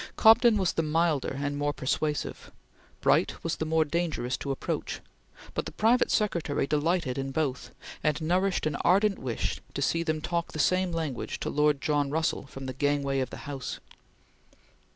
Cobden was the milder and more persuasive; Bright was the more dangerous to approach; but the private secretary delighted in both, and nourished an ardent wish to see them talk the same language to Lord John Russell from the gangway of the House.